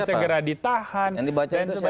segera ditahan yang dibaca itu siapa